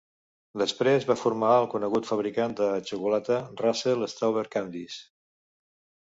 Després va formar el conegut fabricant de xocolata Russell Stover Candies.